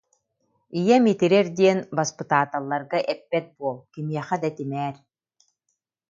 Ийэм итирэр диэн баспытааталларга эппэт буол, кимиэхэ да этимээр